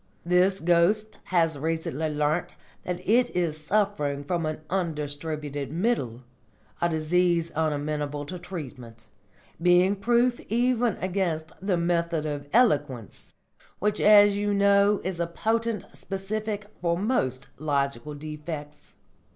This ghost has recently learnt that it is suffering from an Undistributed Middle, a disease unamenable to treatment, being proof even against the Method of Eloquence, which as you know is a potent specific for most logical defects.